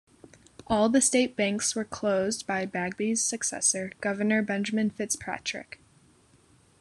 All the state banks were closed by Bagby's successor, Governor Benjamin Fitzpatrick.